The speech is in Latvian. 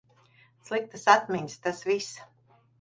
Sliktas atmiņas, tas viss.